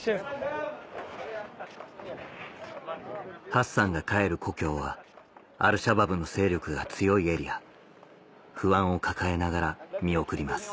ハッサンが帰る故郷はアルシャバブの勢力が強いエリア不安を抱えながら見送ります